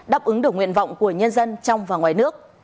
đáp ứng được nguyện vọng của nhân dân trong và ngoài nước